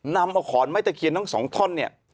นำอาขอนไม้เจฮียนตั้ง๒ท่อนเนี่ย